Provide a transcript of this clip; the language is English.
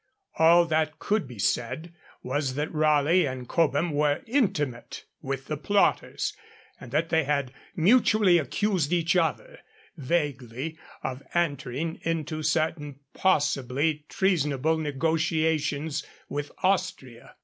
All that could be said was that Raleigh and Cobham were intimate with the plotters, and that they had mutually accused each other, vaguely, of entering into certain possibly treasonable negotiations with Austria.